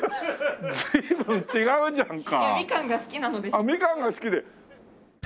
あっみかんが好きで。